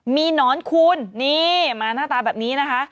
มีหนอนคูณนี่มาหน้าตาแบบนี้นะคะ